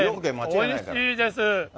おいしいです。